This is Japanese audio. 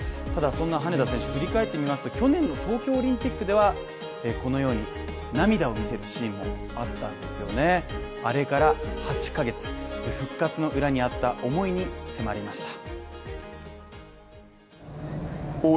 ただそんな羽根田選手振り返ってみますと去年の東京オリンピックではこのように涙を見せるシーンもあったんですよね、あれから８ヶ月、復活の裏にあった思いに迫りました。